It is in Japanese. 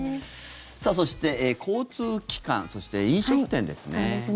そして、交通機関そして飲食店ですね。